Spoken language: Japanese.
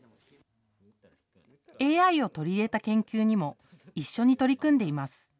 ＡＩを取り入れた研究にも一緒に取り組んでいます。